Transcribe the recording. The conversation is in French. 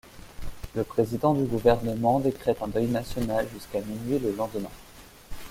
Le président du gouvernement décrète un deuil national jusqu'à minuit le lendemain.